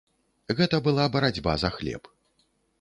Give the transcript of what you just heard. Гэта была барацьба за хлеб.